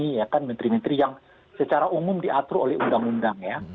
ya kan menteri menteri yang secara umum diatur oleh undang undang ya